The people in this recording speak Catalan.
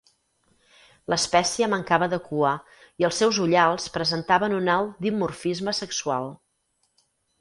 L'espècie mancava de cua i els seus ullals presentaven un alt dimorfisme sexual.